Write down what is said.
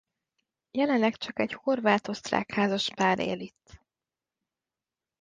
Jelenleg csak egy horvát-osztrák házaspár él itt.